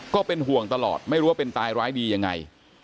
ก็เป็นห่วงตลอดไม่รู้ว่าเป็นตายร้ายดียังไง